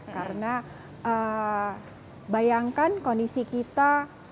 karena bayangkan kondisi kita